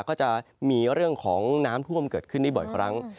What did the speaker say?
ก็จะมีเรื่องของน้ำท่วมเกิดขึ้นได้บ่อยครั้ง